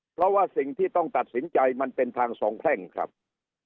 เพราะว่าสิ่งที่ต้องตัดสินใจมันเป็นทางสองแพร่งครับ